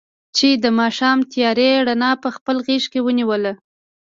چې د ماښام تیارې رڼا په خپل غېږ کې ونیوله.